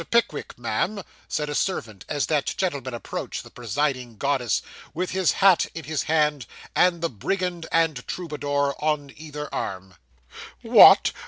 Pickwick, ma'am,' said a servant, as that gentleman approached the presiding goddess, with his hat in his hand, and the brigand and troubadour on either arm. 'What!